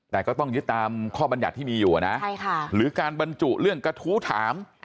แต่ก็ต้องยึดตามข้อบรรยัติที่มีอยู่นะหรือการบรรจุเรื่องกระทู้ถาม